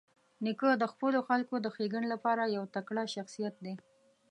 نیکه د خپلو خلکو د ښېګڼې لپاره یو تکړه شخصیت دی.